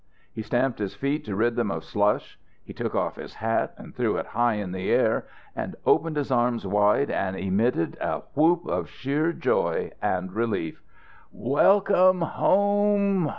He stamped his feet to rid them of slush. He took off his hat and threw it high in the air and opened his arms wide and emitted a whoop of sheer joy and relief. "Welcome home!